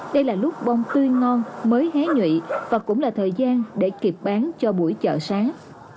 đây là lúc bông tươi ngon mới hái nhuy và cũng là thời gian để kịp bán cho buổi chợ sáng